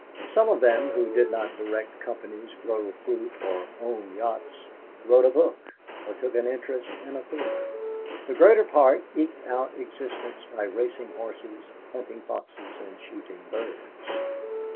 Some of them who did not direct companies, grow fruit, or own yachts, wrote a book, or took an interest in a theatre. The greater part eked out existence by racing horses, hunting foxes, and shooting birds.